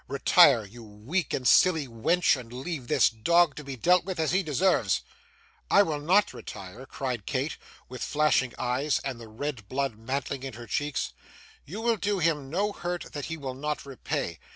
Retire, you weak and silly wench, and leave this dog to be dealt with as he deserves.' 'I will not retire,' cried Kate, with flashing eyes and the red blood mantling in her cheeks. 'You will do him no hurt that he will not repay.